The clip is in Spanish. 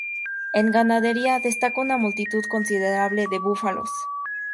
En ganadería, destaca una multitud considerable de búfalos.